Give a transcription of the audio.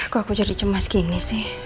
kok aku jadi cemas gini sih